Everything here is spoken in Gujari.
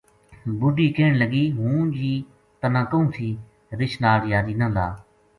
بڈھی کہن لگی " ہوں جی تنا کہوں تھی رچھ ناڑ یاری نہ لا"